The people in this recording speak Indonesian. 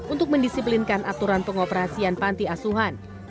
untuk mendisiplinkan aturan pengoperasian panti asuhan